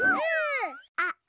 あっあ。